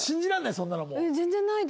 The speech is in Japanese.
そんなのはもう。